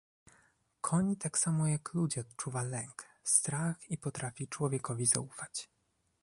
Koń tak samo jak ludzie odczuwa lęk, strach i potrafi człowiekowi zaufać